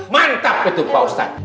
mantap betul pak ustadz